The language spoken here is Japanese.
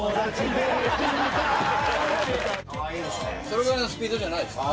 そのぐらいのスピードじゃないでしょ？